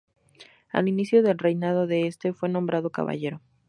Al inicio del reinado de este, fue nombrado caballero.